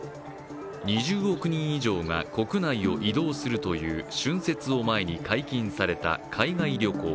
２０億人以上が国内を移動するという春節を前に解禁された海外旅行。